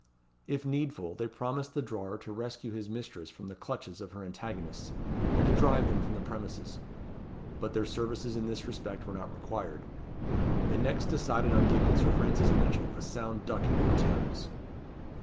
If needful, they promised the drawer to rescue his mistress from the clutches of her antagonists, and to drive them from the premises. But their services in this respect were not required. They next decided on giving Sir Francis Mitchell a sound ducking in the Thames.